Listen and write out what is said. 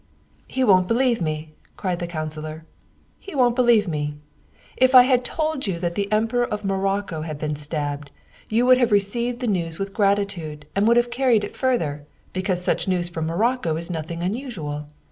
" He won't believe me !" cried the councilor. " He won't believe me ! If I had told you that the Emperor of Morocco had been stabbed, you would have received the news with gratitude and would have carried it further, because such news from Morocco is nothing unusual.